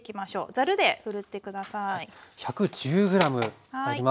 ざるでふるって下さい。